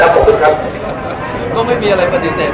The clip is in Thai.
มุมการก็แจ้งแล้วเข้ากลับมานะครับ